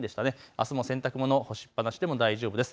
あすも洗濯物干しっぱなしでも大丈夫です。